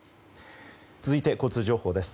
続いて、交通情報です。